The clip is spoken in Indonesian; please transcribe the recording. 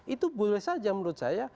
itu boleh saja menurut saya